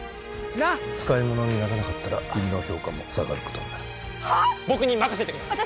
なっ使いものにならなかったら君の評価も下がることになる僕に任せてください